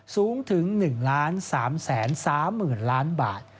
สูงถึง๑๓๓๐๐๐ล้านบาท